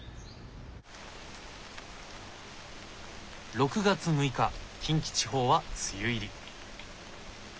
６月６日近畿地方は梅雨入り。